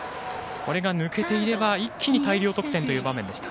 これが抜けていれば一気に大量得点という場面でした。